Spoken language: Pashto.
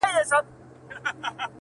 او بل هر ناسم کردار یادونه کړي ده